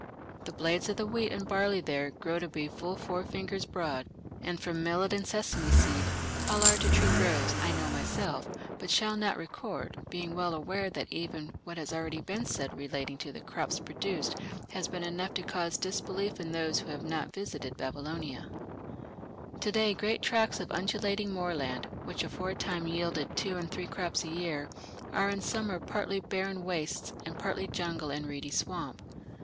The blades of the wheat and barley there grow to be full four fingers broad; and from millet and sesame seed, how large a tree grows, I know myself, but shall not record, being well aware that even what has already been said relating to the crops produced has been enough to cause disbelief in those who have not visited Babylonia." To day great tracts of undulating moorland, which aforetime yielded two and three crops a year, are in summer partly barren wastes and partly jungle and reedy swamp.